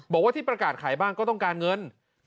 บอกว่าที่ประกาศขายบ้านก็ต้องการเงิน